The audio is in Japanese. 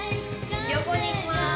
横に行きます。